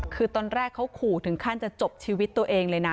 คือตอนแรกเขาขู่ถึงขั้นจะจบชีวิตตัวเองเลยนะ